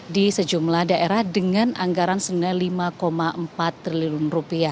di sejumlah daerah dengan anggaran senilai rp lima empat triliun